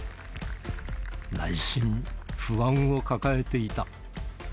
内心、不安を抱えていた。